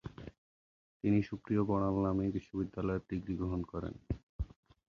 তিনি সুপ্রিয় বড়াল নামেই বিশ্ববিদ্যালয়ের ডিগ্রী গ্রহণ করেন।